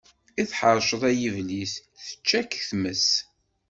I tḥeṛceḍ ay iblis, tečča k-tmes.